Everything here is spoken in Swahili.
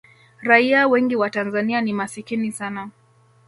raia wengi wa tanzania ni masikini sana